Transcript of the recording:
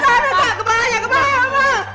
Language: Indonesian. gak gak gak gak